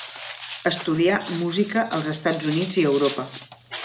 Estudià música als Estats Units i a Europa.